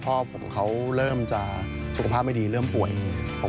พ่อผมเขาเริ่มจะสุขภาพไม่ดีเริ่มป่วย